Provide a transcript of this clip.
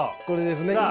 これですね。